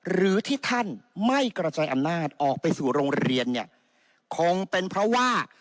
หรือที่ท่านไม่กระจายอำนาจออกไปสู่โรงเรียนเนี่ยคงเป็นเพราะว่า